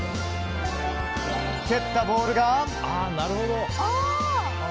蹴ったボールが。